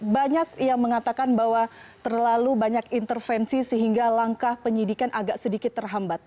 banyak yang mengatakan bahwa terlalu banyak intervensi sehingga langkah penyidikan agak sedikit terhambat